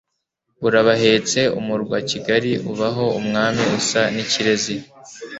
Urabahetse umurwa Kigali, Ubaho Umwami usa n' ikirezi.